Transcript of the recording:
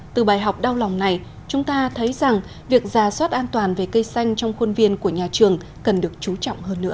từ bài học đau lòng này chúng ta thấy rằng việc giả soát an toàn về cây xanh trong khuôn viên của nhà trường cần được chú trọng hơn nữa